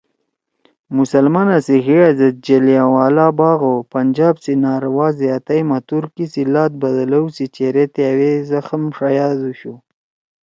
مسلمانا سی حیِا زید جلیانوالہ باغ او پنجاب سی ناروا زیاتئی ما تُرکی سی لات بَیَلؤ سی چیرے تأوی زخم ݜادُوشُو